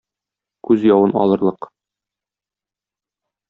Күз явын алырлык.